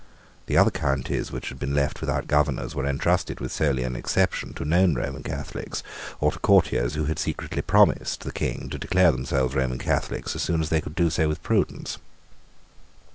The other counties which had been left without governors were entrusted, with scarcely an exception, to known Roman Catholics, or to courtiers who had secretly promised the King to declare themselves Roman Catholics as soon as they could do so with prudence.